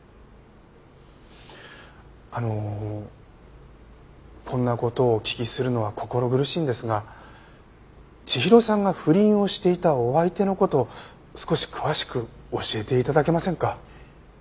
あのこんな事をお聞きするのは心苦しいんですが千尋さんが不倫をしていたお相手の事少し詳しく教えて頂けませんか？